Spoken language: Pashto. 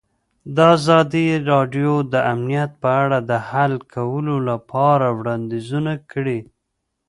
ازادي راډیو د امنیت په اړه د حل کولو لپاره وړاندیزونه کړي.